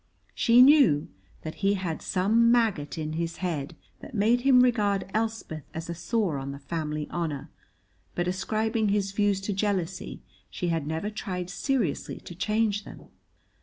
She knew that he had some maggot in his head that made him regard Elspeth as a sore on the family honor, but ascribing his views to jealousy she had never tried seriously to change them.